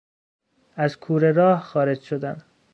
از کوره راه خارج شدن